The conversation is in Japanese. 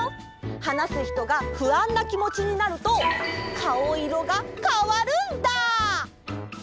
話すひとがふあんなきもちになるとかおいろがかわるんだ！